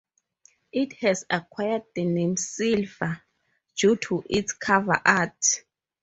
It has acquired the name "Silver" due to its cover art.